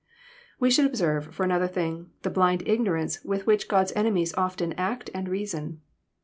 We should observe, for another thing, the blind ignO' ranee with which Ood^s enemies often act and reason.